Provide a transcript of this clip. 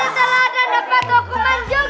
tante telah dendapat dokumen juga